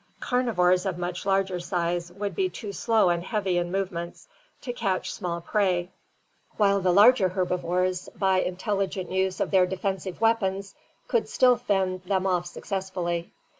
Carnivora of much larger size would be too slow and heavy in movements to catch small prey, while the larger herbivores by intelligent use of their defensive weapons could still fend them off successfully.